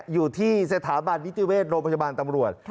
อยู่ที่สถาบันนิติเวชโรงพยาบาลตำรวจ